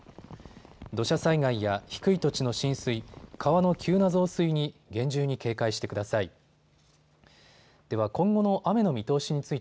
土砂災害や低い土地の浸水、川の急な増水に厳重に警戒してください。